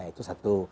ya itu satu